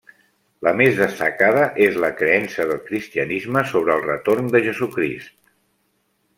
La més destacada és la creença del cristianisme sobre el retorn de Jesucrist.